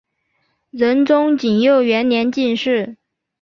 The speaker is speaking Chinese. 仁宗景佑元年进士。